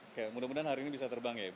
oke mudah mudahan hari ini bisa terbang ya bu